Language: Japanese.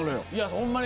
ホンマに。